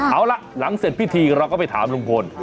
เอาล่ะหลังเสร็จพิธีเราก็ไปถามลุงพล